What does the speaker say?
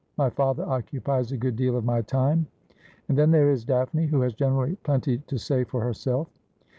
My father occupies a good deal of my time ; and then there is Daphne, who has generally plenty to say for herself.'